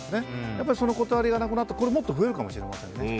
やっぱり、その断りがなくなるともっと増えるかもしれませんね。